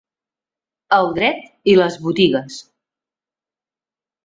El dret i les botigues